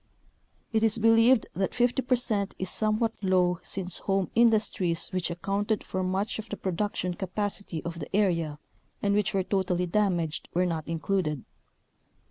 It is believed that 50 percent is somewhat low since home industries which accounted for much of the production capacity of the area and which were totally damaged were not included.